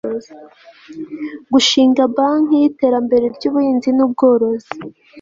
gushinga banki y'iterambere ry'ubuhinzi n'ubworozi